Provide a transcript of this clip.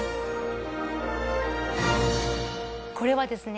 これはですね